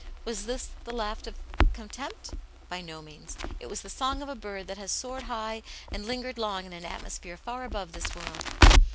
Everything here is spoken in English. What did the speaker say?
Was this the laugh of contempt ? By no means. It was the song of a bird that Tias soared high, and lin gered long in an atmosphere far above this world.